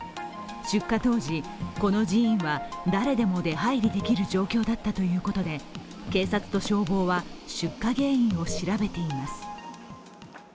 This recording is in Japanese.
出火当時、この寺院は誰でも出入りできる状況だったということで、警察と消防は、出火原因を調べています。